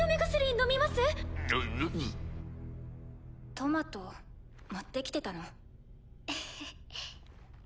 トマト持ってきてたの？へへっ。